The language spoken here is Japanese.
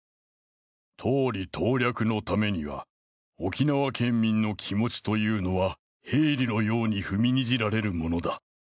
党利党略のためには沖縄県民の気持ちというのは弊履のように踏みにじられるものだ。